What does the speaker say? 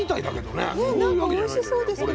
ねなんかおいしそうですけどね。